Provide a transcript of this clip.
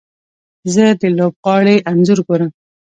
زه د لوبغاړي انځور ګورم.